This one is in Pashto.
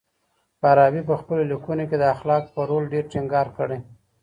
فارابي په خپلو ليکنو کي د اخلاقو پر رول ډېر ټينګار کړی.